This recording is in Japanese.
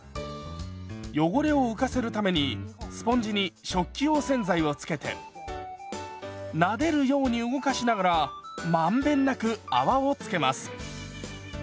汚れを浮かせるためにスポンジに食器用洗剤をつけてなでるように動かしながら満遍なく泡をつけます。